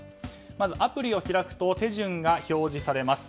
まずアプリを開くと手順が表示されます。